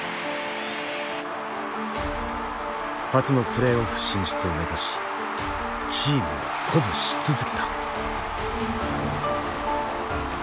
初のプレーオフ進出を目指しチームを鼓舞し続けた。